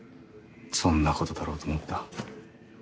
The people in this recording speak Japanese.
そんな事だろうと思った。